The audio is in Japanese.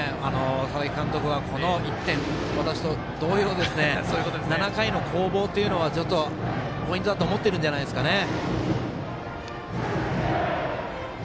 佐々木監督は、この１点私と同様に７回の攻防というのがポイントだと思っているんじゃないですかね。